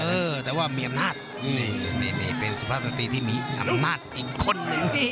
เออแต่ว่ามีอำนาจนี่เป็นสุภาพดนตรีที่มีอำนาจอีกคนนึง